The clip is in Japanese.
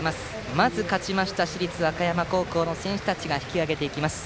まず勝ちました市立和歌山高校の選手たちが引き揚げていきました。